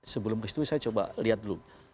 sebelum ke situ saya coba lihat dulu